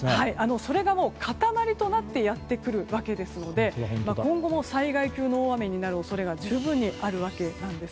それが塊となってやってくるわけですので今後も災害級の大雨になる恐れが十分にあるわけです。